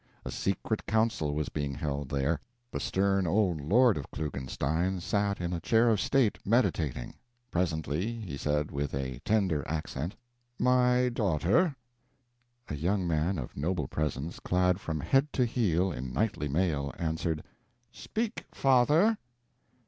A secret council was being held there. The stern old lord of Klugenstein sat in a chair of state meditating. Presently he said, with a tender accent: "My daughter!" A young man of noble presence, clad from head to heel in knightly mail, answered: "Speak, father!"